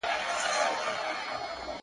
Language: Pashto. • په کتاب کي څه راغلي راته وایه ملاجانه -